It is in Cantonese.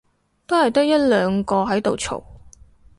都係得一兩個喺度嘈